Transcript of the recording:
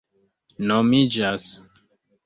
nomiĝas